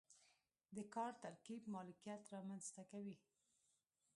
د کار ترکیب مالکیت رامنځته کوي.